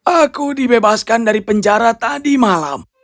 aku dibebaskan dari penjara tadi malam